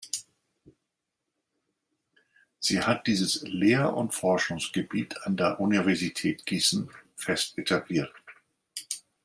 Sie hat dieses Lehr- und Forschungsgebiet an der Universität Gießen fest etabliert.